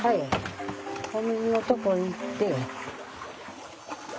お水のとこ行って。